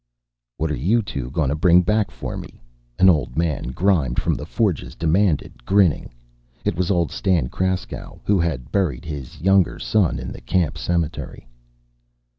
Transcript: "What are you two gonna bring back for me?" an old man, grimed from the forges, demanded, grinning. It was old Stan Kraskow, who had buried his younger son in the camp cemetery.